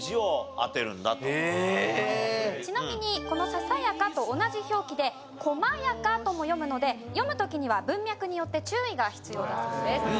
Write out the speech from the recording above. ちなみにこの「細やか」と同じ表記で「細やか」とも読むので読む時には文脈によって注意が必要だそうです。